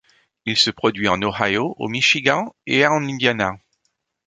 Il se produit en Ohio, au Michigan et en Indiana.